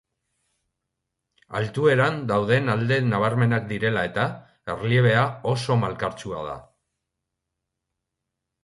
Altueran dauden alde nabarmenak direla eta, erliebea oso malkartsua da.